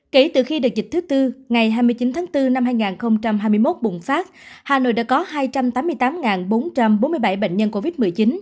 kể từ khi đợt dịch thứ tư ngày hai mươi chín tháng bốn năm hai nghìn hai mươi một bùng phát hà nội đã có hai trăm tám mươi tám bốn trăm bốn mươi bảy bệnh nhân covid một mươi chín